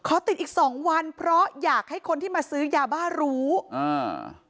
ติดอีกสองวันเพราะอยากให้คนที่มาซื้อยาบ้ารู้อ่า